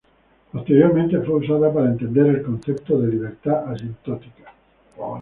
Posteriormente, fue usada para entender el concepto de libertad asintótica.